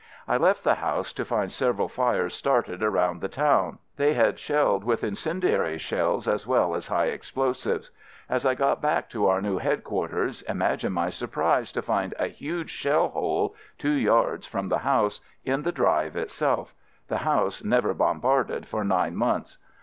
I left the house to find several fires started around the town — they had shelled with incendiary I* % 1 It ;* HOUSES AT PONT A MOUS SON FIELD SERVICE 9sf shells as well as high explosives. As I got back to our new headquarters, imagine my surprise to find a huge shell hole — two yards from the house — in the drive itself — the house never bombarded for nine months.